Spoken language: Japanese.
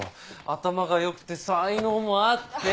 頭が良くて才能もあって。